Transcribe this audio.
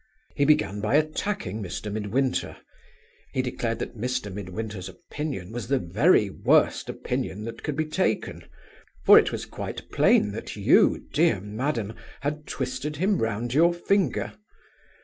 "He began by attacking Mr. Midwinter. He declared that Mr. Midwinter's opinion was the very worst opinion that could be taken; for it was quite plain that you, dear madam, had twisted him round your finger.